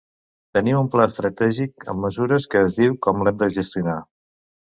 Tenim un pla estratègic amb mesures que ens diu com l'hem de gestionar.